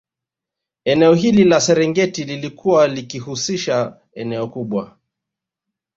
Eneo hili la Serengeti lilikuwa likihusisha eneo kubwa